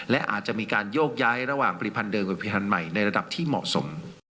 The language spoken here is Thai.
และอาจจะมีการโยกย้ายระหว่างผลิตภัณฑ์เดิมกับผลิตภัณฑ์ใหม่ในระดับที่เหมาะสม